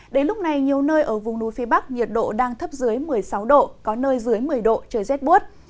đến lúc này nhiều nơi ở vùng núi phía bắc nhiệt độ đang thấp dưới một mươi sáu độ có nơi dưới một mươi độ trời rét buốt